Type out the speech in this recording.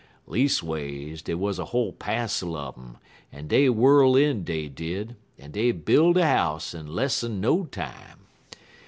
Leas'ways, dey wuz a whole passel un um, en dey whirl in, dey did, en dey buil' de house in less'n no time.